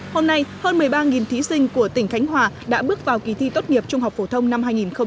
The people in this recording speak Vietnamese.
hôm nay hơn một mươi ba thí sinh của tỉnh khánh hòa đã bước vào kỳ thi tốt nghiệp trung học phổ thông năm hai nghìn hai mươi